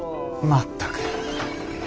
全く。